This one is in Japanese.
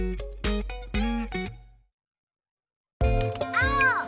あお！